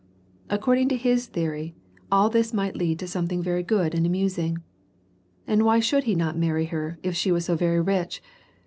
According to his theory, all this might lead to some thing very good and amusing. And why should he not marry her, if she were so very rich